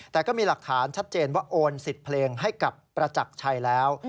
แต่ก็มีหลักฐานชัดเจนว่าโอนสิทธิ์เพลงให้กับประจักรชัยแล้ว